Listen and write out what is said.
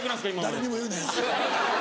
誰にも言うなよ。